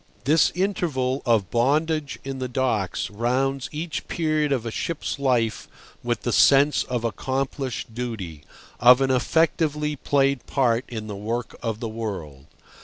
This interval of bondage in the docks rounds each period of a ship's life with the sense of accomplished duty, of an effectively played part in the work of the world.